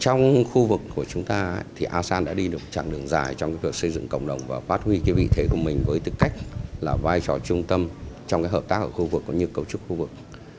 trong khu vực của chúng ta thì asean đã đi được chặng đường dài trong việc xây dựng cộng đồng và phát huy vị thế của mình với tư cách là vai trò trung tâm trong hợp tác ở khu vực cũng như cấu trúc khu vực